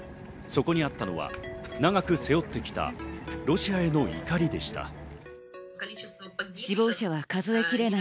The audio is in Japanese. そこにあったのは長く背負ってきたロシアへの怒りでした。